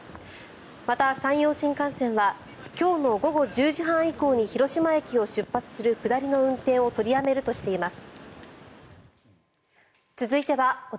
また、山陽新幹線は今日の午後１０時半以降に広島駅を出発する下りの運転を取りやめるとしています。